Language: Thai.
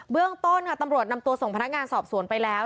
เรื่องต้นค่ะตำรวจนำตัวส่งพนักงานสอบสวนไปแล้ว